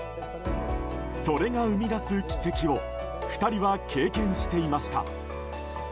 それが生み出す奇跡を２人は経験していました。